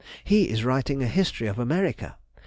He is writing a history of America.